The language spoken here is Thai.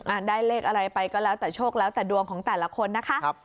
ได้เลขอะไรไปก็แล้วแต่โชคแล้วแต่ดวงของแต่ละคนนะคะ